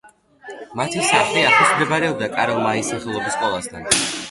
მათი სახლი ახლოს მდებარეობდა კარლ მაის სახელობის სკოლასთან.